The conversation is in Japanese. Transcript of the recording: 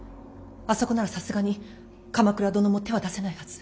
あそこならさすがに鎌倉殿も手は出せないはず。